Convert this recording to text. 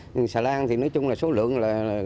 nhưng xà lan thì nói chung là số lượng là